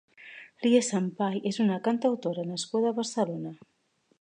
Lia Sampai és una cantautora nascuda a Barcelona.